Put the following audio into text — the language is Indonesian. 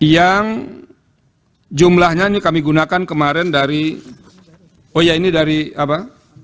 yang jumlahnya ini kami gunakan kemarin dari oh ya ini dari apa